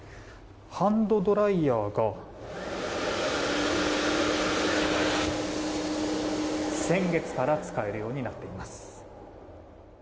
ハンドドライヤーが先月から使えるようになりました。